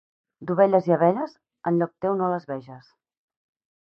D'ovelles i abelles, en lloc teu no les veges.